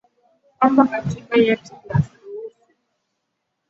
kwamba katiba yetu inaruhusu